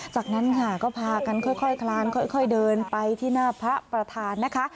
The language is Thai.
จากนั้นค่ะก็พากันค่อยคลานค่อยเดินไปที่หน้าพระประธานนะคะ